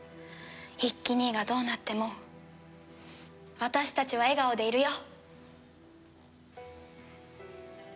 一輝兄がどうなっても私たちは笑顔でいるよ。